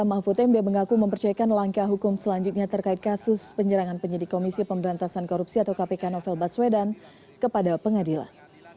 mahfud md mengaku mempercayakan langkah hukum selanjutnya terkait kasus penyerangan penyidik komisi pemberantasan korupsi atau kpk novel baswedan kepada pengadilan